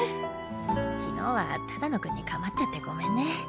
昨日は只野くんに構っちゃってごめんね。